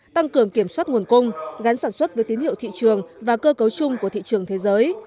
tăng cường kiểm soát nguồn cung gắn sản xuất với tín hiệu thị trường và cơ cấu chung của thị trường thế giới